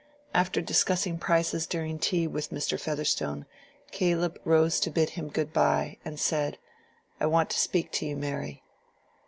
After discussing prices during tea with Mr. Featherstone, Caleb rose to bid him good by, and said, "I want to speak to you, Mary."